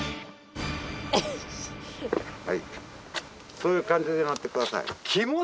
そういう感じで舞って下さい。